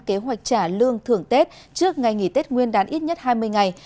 kế hoạch trả lương thưởng tết trước ngày nghỉ tết nguyên đán ít nhất hai mươi ngày